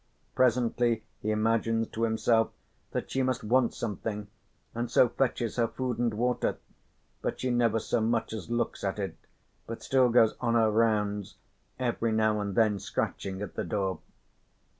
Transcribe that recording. Presently he imagines to himself that she must want something, and so fetches her food and water, but she never so much as looks at it, but still goes on her rounds, every now and then scratching at the door.